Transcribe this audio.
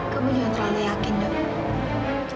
kamu jangan terlalu yakin dong